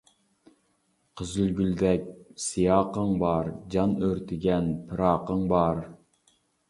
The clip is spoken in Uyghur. قىزىلگۈلدەك سىياقىڭ بار، جان ئۆرتىگەن پىراقىڭ بار.